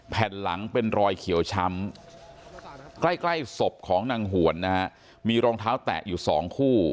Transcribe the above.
แผ่นหลังเป็นรอยเขียวช้ำใกล้ใกล้ศพของนางหวนนะฮะมีรองเท้าแตะอยู่สองคู่